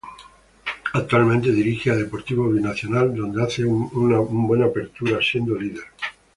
Actualmente dirige a Deportivo Binacional donde hace un buen Apertura siendo lider.